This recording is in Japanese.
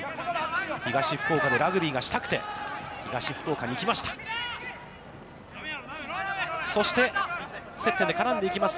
東福岡でラグビーがしたくて、東福岡に行きました。